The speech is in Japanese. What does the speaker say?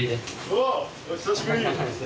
おう久しぶり。